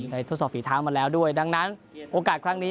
ทดสอบฝีเท้ามาแล้วด้วยดังนั้นโอกาสครั้งนี้